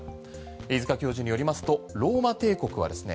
飯塚教授によりますとローマ帝国はですね